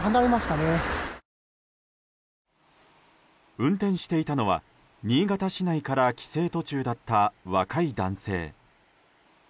運転していたのは新潟市内から帰省途中だった若い男性。